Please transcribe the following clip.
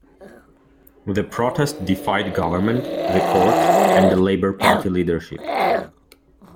The protest defied government, the courts, and the Labour Party leadership.